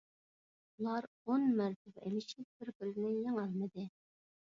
ئۇلار ئون مەرتىۋە ئېلىشىپ بىر - بىرىنى يېڭەلمىدى.